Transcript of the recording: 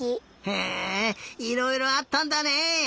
へえいろいろあったんだね！